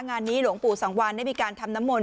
งานนี้หลวงปู่สังวันได้มีการทำน้ำมนต